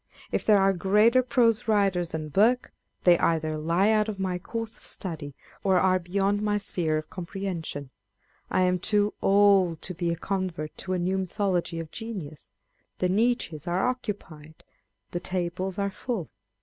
If there are greater prose writers than Burke, they either lie out of my course of study, or are beyond my sphere of comprehension. I am too old to bo a convert to a new mythology of genius. The niches are occupied, the tables are full.